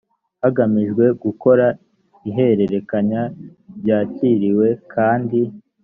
hagamijwe gukora ihererekanya ryakiriwe kandi